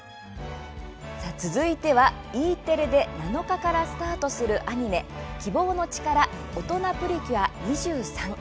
続いては、Ｅテレで７日からスタートするアニメ「キボウノチカラオトナプリキュア’２３」。